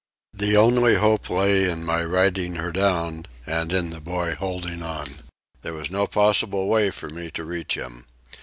The only hope lay in my riding her down and in the boy holding on. There was no possible way for me to reach him.